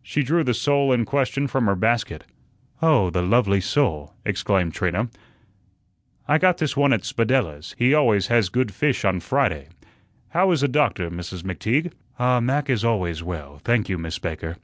She drew the sole in question from her basket. "Oh, the lovely sole!" exclaimed Trina. "I got this one at Spadella's; he always has good fish on Friday. How is the doctor, Mrs. McTeague?" "Ah, Mac is always well, thank you, Miss Baker."